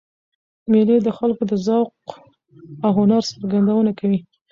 مېلې د خلکو د ذوق او هنر څرګندونه کوي.